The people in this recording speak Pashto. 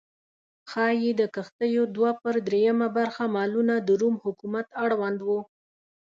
ښايي د کښتیو دوه پر درېیمه برخه مالونه د روم حکومت اړوند و